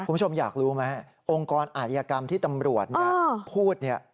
คุณผู้ชมอยากรู้ไหมองค์กรอาธิกรรมที่ตำรวจพูดเนี่ย